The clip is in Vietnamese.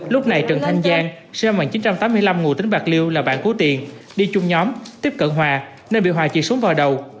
lúc này trần thanh giang xe mạng chín trăm tám mươi năm ngụ tính bạc liêu là bạn cứu tiền đi chung nhóm tiếp cận hòa nên bị hòa chịu súng vào đầu